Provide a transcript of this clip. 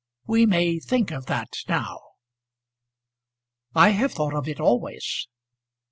We may think of that now." "I have thought of it always."